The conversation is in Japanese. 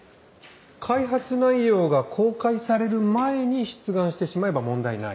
開発内容が公開される前に出願してしまえば問題ないと。